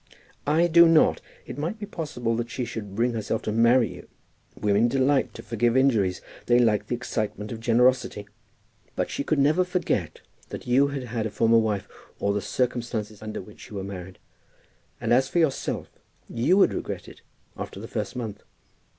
"I do not. It might be possible that she should bring herself to marry you. Women delight to forgive injuries. They like the excitement of generosity. But she could never forget that you had had a former wife, or the circumstances under which you were married. And as for yourself, you would regret it after the first month.